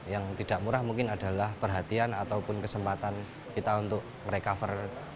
yang tidak murah mungkin adalah perhatian ataupun kesempatan kita untuk recover